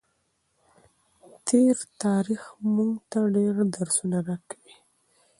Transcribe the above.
تېر تاریخ موږ ته ډېر درسونه راکوي.